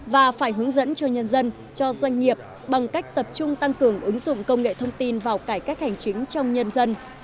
và phải hướng dẫn cho nhân dân cho doanh nghiệp bằng cách tập trung tăng cường ứng dụng công nghệ thông tin vào cải cách hành chính trong nhân dân